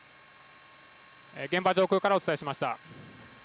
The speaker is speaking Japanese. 現場上空からお伝えしました。